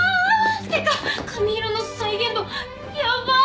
てか髪色の再現度ヤバい！